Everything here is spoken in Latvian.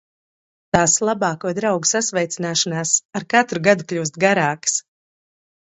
Tās labāko draugu sasveicināšanās ar katru gadu kļūst garākas!